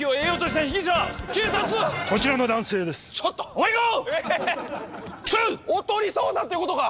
おとり捜査っていうことか？